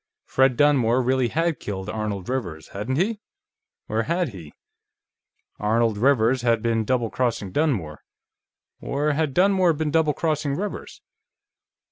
Fred Dunmore really had killed Arnold Rivers, hadn't he? Or had he? Arnold Rivers had been double crossing Dunmore ... or had Dunmore been double crossing Rivers?